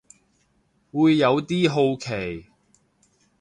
會有啲好奇